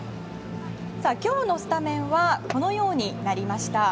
今日のスタメンはこのようになりました。